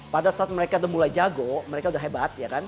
pada saat mereka udah mulai jago mereka udah hebat